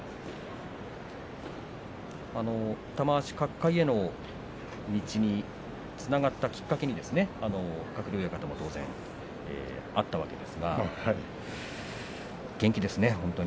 玉鷲、角界の道につながったきっかけに鶴竜親方も当然あったわけですが元気ですね